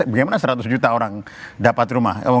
bagaimana seratus juta orang dapat rumah